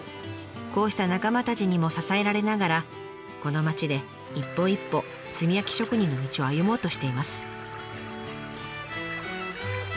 こうした仲間たちにも支えられながらこの町で一歩一歩炭焼き職人の道を歩もうとしています。